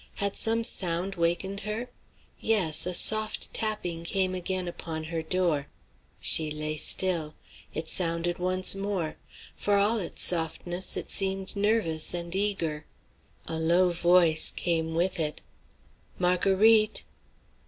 Had some sound wakened her? Yes, a soft tapping came again upon her door. She lay still. It sounded once more. For all its softness, it seemed nervous and eager. A low voice came with it: "Marguerite!"